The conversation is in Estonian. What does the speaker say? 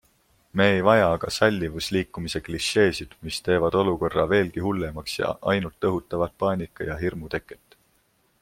Me ei vaja aga sallivusliikumise klišeesid, mis teevad olukorra veelgi hullemaks ja ainult õhutavad paanika ja hirmu teket.